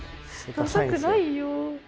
ダサくないよ。